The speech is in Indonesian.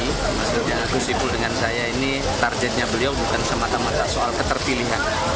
dan aku sipul dengan saya ini targetnya beliau bukan semata mata soal ketertilihan